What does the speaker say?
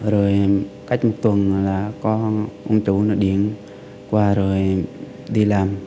rồi cách một tuần là có ông chủ điện qua rồi đi làm